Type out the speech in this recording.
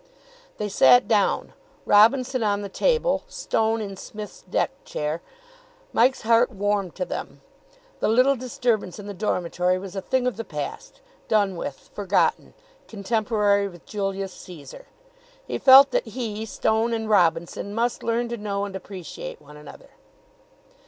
They sat down, Robinson on the table, Stone in Psmith' s deck chair. Mike's heart warmed to them. The little disturbance in the dormitory was a thing of the past, done with, forgotten, contemporary with Julius Caesar. He felt that he, Stone and Robinson must learn to know and appreciate one another.